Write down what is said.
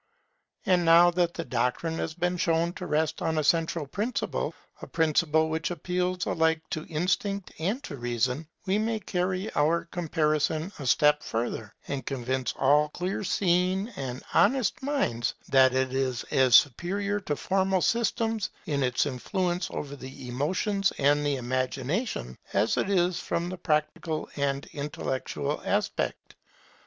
And now that the doctrine has been shown to rest on a central principle, a principle which appeals alike to instinct and to reason, we may carry our comparison a step further, and convince all clear seeing and honest minds that it is as superior to former systems in its influence over the emotions and the imagination, as it is from the practical and intellectual aspect.